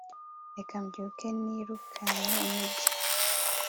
reka mbyuke, nirukanke umugi